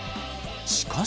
しかし。